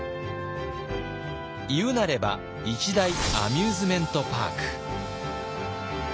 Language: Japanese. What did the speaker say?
言うなれば一大アミューズメントパーク。